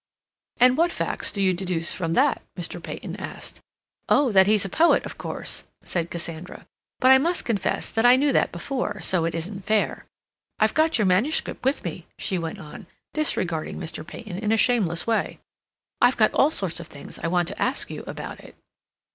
"And what facts do you deduce from that?" Mr. Peyton asked. "Oh, that he's a poet, of course," said Cassandra. "But I must confess that I knew that before, so it isn't fair. I've got your manuscript with me," she went on, disregarding Mr. Peyton in a shameless way. "I've got all sorts of things I want to ask you about it."